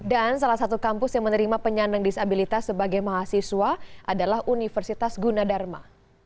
dan salah satu kampus yang menerima penyandang disabilitas sebagai mahasiswa adalah universitas gunadharma